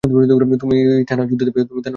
তুমি থেনা, যুদ্ধের দেবী।